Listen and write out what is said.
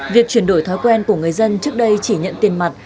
việc chuyển đổi thói quen của người dân trước đây chỉ nhận tiền mặt